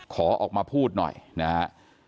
ขอออกมาพูดหน่อยนะฮะ